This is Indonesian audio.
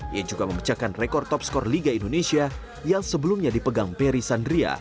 ia juga memecahkan rekor top skor liga indonesia yang sebelumnya dipegang peri sandria